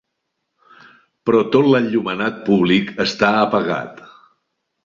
Però tot l'enllumenat públic està apagat.